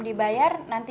gue nih harus lihat kan